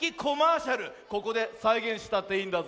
ここでさいげんしたっていいんだぜ。